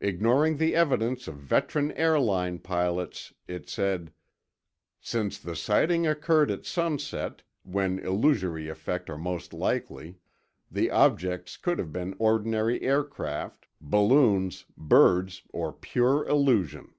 Ignoring the evidence of veteran airline pilots, it said: "Since the sighting occurred at sunset, when illusory effect are most likely, the objects could have been ordinary aircraft, balloons, birds, or pure illusion."